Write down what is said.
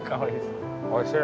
おいしい。